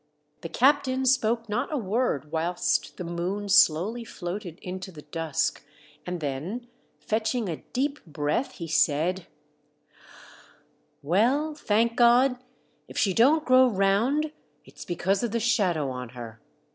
The captain spoke not a word whilst the moon slowly A TRAGICAL DEATH. 53 floated into the dusk, and then fetchino a deep breath, he said —" Well, thank God, if she don't grow round it's because of the shadow on her.